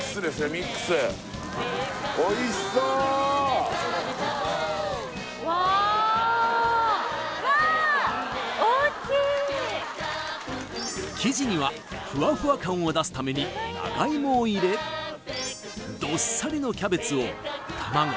ミックスおいしそう生地にはふわふわ感を出すために長芋を入れどっさりのキャベツをたまご